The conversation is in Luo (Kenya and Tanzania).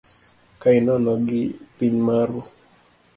Ka inono gi piny maru.